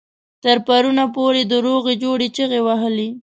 تر پرونه پورې د روغې جوړې چيغې وهلې.